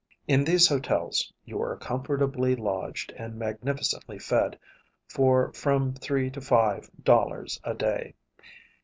In these hotels, you are comfortably lodged and magnificently fed for from three to five dollars a day.